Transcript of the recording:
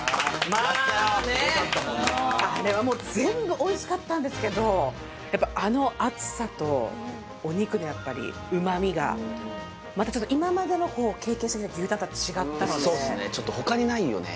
まあねえあれはもう全部おいしかったんですけどやっぱあの厚さとお肉のやっぱり旨みがまたちょっと今までの経験してきた牛タンとは違ったのでちょっと他にないよね